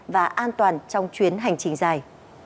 và an toàn trong chuyến hành trình dài